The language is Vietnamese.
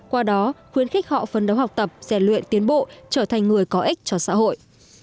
qua đó khuyến khích họ phấn đấu học tập rèn luyện tiến bộ trở thành người có ích cho xã hội